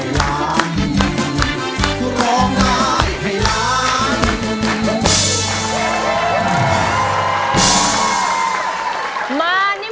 เพลงที่เจ็ดเพลงที่แปดแล้วมันจะบีบหัวใจมากกว่านี้